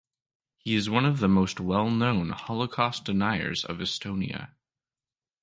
He is one of the most well known Holocaust deniers of Estonia.